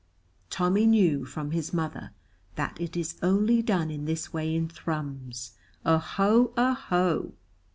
Tommy knew from his mother that it is only done in this way in Thrums. Oho! Oho!